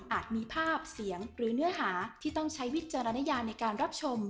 มีภาพเสียงหรือเนื้อหาที่ต้องใช้วิจารณญาในการรับชม